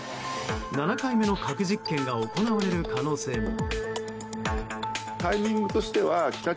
７回目の核実験が行われる可能性も。